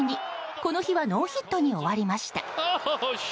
この日はノーヒットに終わりました。